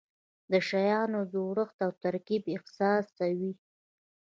د شیانو جوړښت او ترکیب احساسوي.